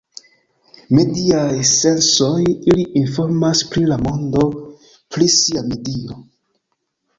Mediaj sensoj, ili informas pri la mondo; pri sia medio.